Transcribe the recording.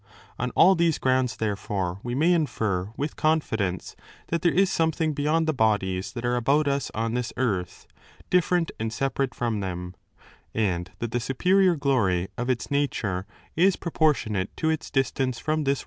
On all these grounds, therefore, we may infer with con fidence that there is something beyond the bodies that are 18 about us on this earth, different and separate from them ; and that the superior glory of its nature is proportionate to its distance from this world of ours."